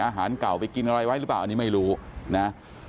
อาหารเก่าไปกินอะไรไว้หรือเปล่าอันนี้ไม่รู้นะ